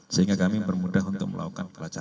sehingga kami bermudah untuk melakukan pelacakan